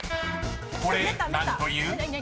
［これ何という？］